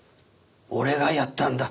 俺がやったんだ。